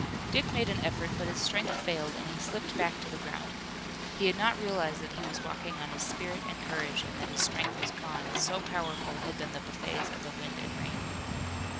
Dick made an effort, but his strength failed and he slipped back to the ground. He had not realized that he was walking on his spirit and courage and that his strength was gone, so powerful had been the buffets of the wind and rain.